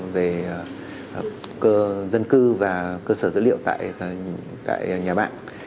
về dân cư và cơ sở dữ liệu tại nhà mạng